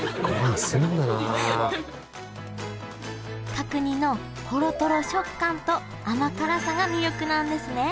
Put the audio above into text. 角煮のほろトロ食感と甘辛さが魅力なんですね